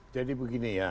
jadi begini ya